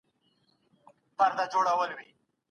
تاسو په خپل ځان کي بې ساري یاست.